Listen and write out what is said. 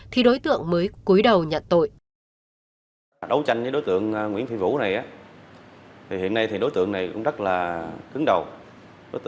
thì đối tượng mới cuối đầu nhận tội